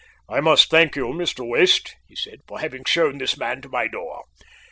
"I must thank you, Mr. West," he said, "for having shown this man my door.